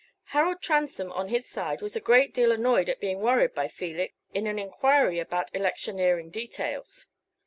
Harold Transome, on his side, was a great deal annoyed at being worried by Felix in an enquiry about electioneering details.